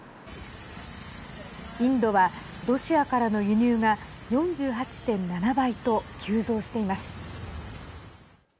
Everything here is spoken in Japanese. インドは、ロシアからの輸入が４８．７倍と急増しています。